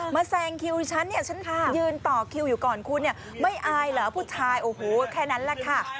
แซงคิวดิฉันเนี่ยฉันยืนต่อคิวอยู่ก่อนคุณเนี่ยไม่อายเหรอผู้ชายโอ้โหแค่นั้นแหละค่ะ